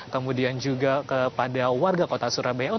kemudian juga kepada warga kota surabaya